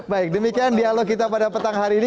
baik demikian dialog kita pada petang hari ini